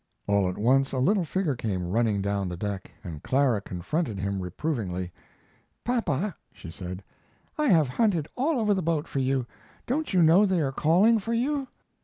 All at once a little figure came running down the deck, and Clara confronted him, reprovingly: "Papa," she said, "I have hunted all over the boat for you. Don't you know they are calling for you?"